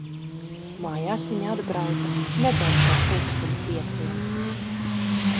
Mājās viņa atbrauca nedaudz pēc pulksten pieciem.